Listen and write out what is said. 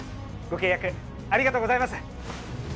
ご契約ありがとうございます！